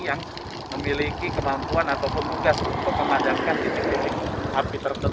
yang memiliki kemampuan ataupun tugas untuk mengadakan titik titik api tertentu